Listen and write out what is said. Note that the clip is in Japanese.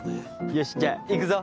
よしじゃあいくぞ。